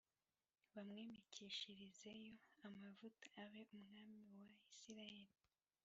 bamwimikishirizeyo amavuta abe umwami wa Isirayeli